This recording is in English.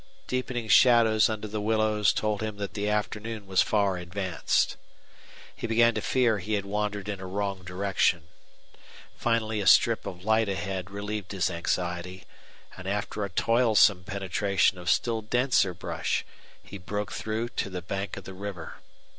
Deepening shadows under the willows told him that the afternoon was far advanced. He began to fear he had wandered in a wrong direction. Finally a strip of light ahead relieved his anxiety, and after a toilsome penetration of still denser brush he broke through to the bank of the river.